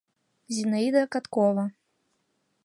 Зинаида Каткова